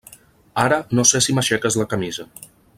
Ara no sé si m'aixeques la camisa.